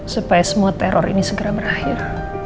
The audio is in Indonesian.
supaya semua teror ini segera berakhir